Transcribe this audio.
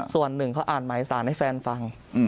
ส่วนหนึ่งเขาอ่านหมายสารให้แฟนฟัง